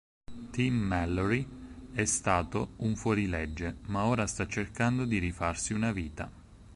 Tim Mallory è stato un fuorilegge, ma ora sta cercando di rifarsi una vita.